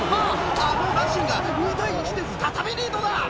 あのラシンが２対１で再びリードだ。